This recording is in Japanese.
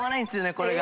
これが。